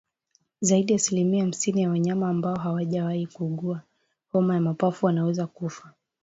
Zaidi ya asilimia hamsini ya wanyama ambao hawajawahi kuugua homa ya mapafu wanaweza kufa